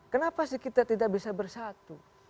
kenapa sih kita tidak bisa bersatu